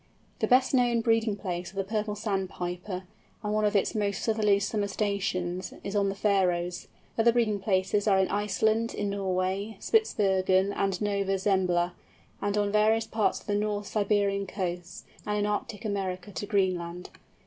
The best known breeding place of the Purple Sandpiper, and one of its most southerly summer stations, is on the Faröes. Other breeding places are in Iceland, in Norway, Spitzbergen, and Nova Zembla, and on various parts of the north Siberian coasts, and in Arctic America to Greenland.